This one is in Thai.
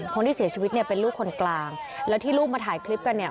คนที่เสียชีวิตเนี่ยเป็นลูกคนกลางแล้วที่ลูกมาถ่ายคลิปกันเนี่ย